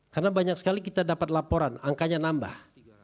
karena banyak sekali kita dapat laporan angkanya nambah